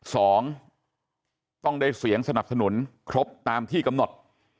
สองต้องได้เสียงสนับสนุนครบตามที่กำหนด